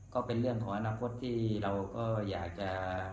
ก็เป็นเรื่องของอนาคตที่เราก็อยากจะ